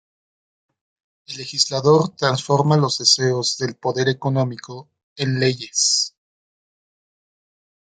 El legislador transforma los deseos del poder económico en leyes